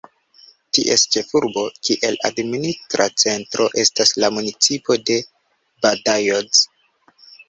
Ties ĉefurbo, kiel administra centro, estas la municipo de Badajoz.